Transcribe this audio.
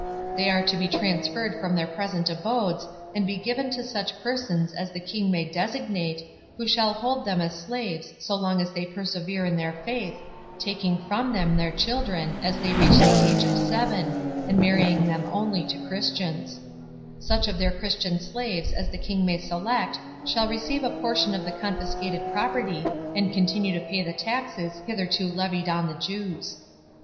They are to be transferred from their present abodes and be given to such persons as the king may designate, who shall hold them as slaves so long as they per severe in their faith, taking from them their children as they S. Julian! Toleti Vit. Wambse, n. 5, 28 (Florez, Espana Sagrada, VI, 536, 556). 44 THE JEWS AND THE MOORS [BOOK I reach the age of seven and marrying them only to Christians. Such of their Christian slaves as the king may select shall receive a portion of the confiscated property and continue to pay the taxes hitherto levied on the Jews.